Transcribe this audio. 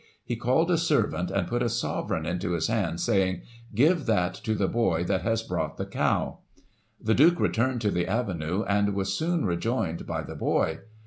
He called a servant, and put a sovereign into his hand, saying, ' Give that to the boy that has brought the cow/ The Duke returned to the avenue, and was soon re joined by the boy.